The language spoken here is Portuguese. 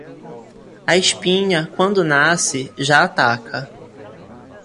A espinha, quando nasce, já ataca.